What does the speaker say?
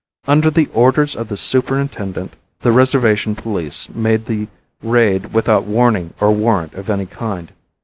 Under the orders of the superintendent the reservation police made the raid without warning or warrant of any kind.